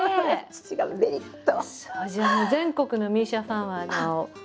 父がベリッと。